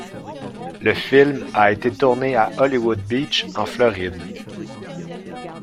Le film a été tourné à Hollywood Beach en Floride.